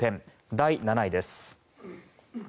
第７位です。